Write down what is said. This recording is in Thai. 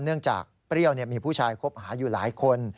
เนื่องจากเปรี้ยวมีผู้ชายคบหาอยู่หลายคน